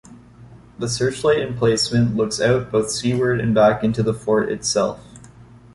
The searchlight emplacement looks out both seaward and back into the fort itself.